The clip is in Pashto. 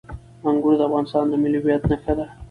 انګور د افغانستان د ملي هویت نښه ده.